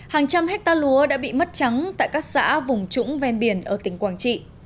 hàng trăm hectare lúa đã bị mất trắng tại các xã vùng trũng ven biển ở tỉnh quảng trị